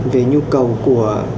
về nhu cầu của